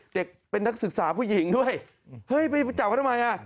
เด็กเป็นนักศึกษาผู้หญิงด้วยเฮ้ยไปจับเขาทำไมอ่ะ